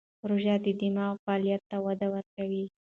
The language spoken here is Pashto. روژه د دماغ فعالیت ته وده ورکوي.